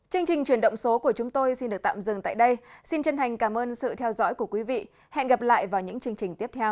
chương trình chuyển động số của chúng tôi xin được tạm dừng tại đây xin chân thành cảm ơn sự theo dõi của quý vị hẹn gặp lại vào những chương trình tiếp theo